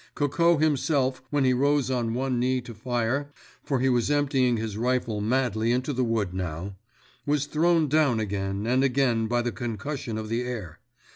Coco himself, when he rose on one knee to fire (for he was emptying his rifle madly into the wood now), was thrown down again and again by the concussion of the air.